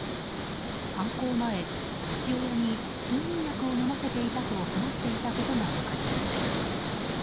犯行前、父親に睡眠薬を飲ませていたと話していたことが分かりました。